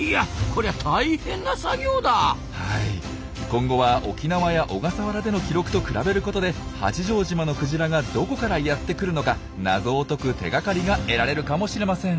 今後は沖縄や小笠原での記録と比べることで八丈島のクジラがどこからやって来るのか謎を解く手がかりが得られるかもしれません。